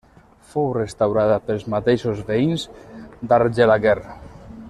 Fou restaurada pels mateixos veïns d'Argelaguer.